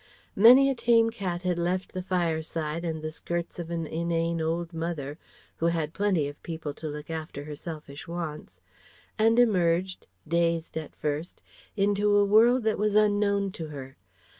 Many a tame cat had left the fire side and the skirts of an inane old mother (who had plenty of people to look after her selfish wants) and emerged, dazed at first, into a world that was unknown to her.